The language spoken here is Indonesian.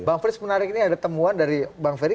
bang frits menarik ini ada temuan dari bang ferry